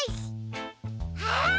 あっ！